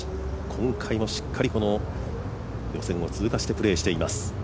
今回もしっかり予選を通過してプレーしています。